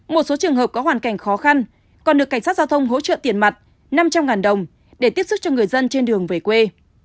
một số trường hợp có hoàn cảnh khó khăn còn được cảnh sát giao thông hỗ trợ tiền mặt năm trăm linh đồng để tiếp xúc cho người dân trên đường về quê